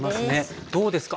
どうですか？